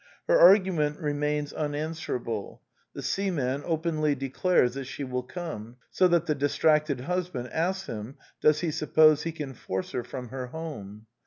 Her argument remains unanswer 124 The Quintessence of Ibsenism able. The seaman openly declares that she will come; so that the distracted husband asks him does he suppose he can force her from her home.